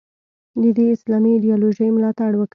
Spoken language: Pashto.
د دې اسلامي ایدیالوژۍ ملاتړ وکړي.